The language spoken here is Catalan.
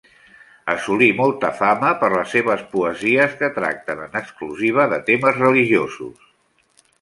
Assolí molta fama per les seves poesies, que tracten en exclusiva de temes religiosos.